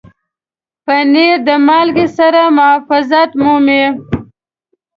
پنېر د مالګې سره محافظت مومي.